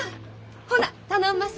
ほな頼んます。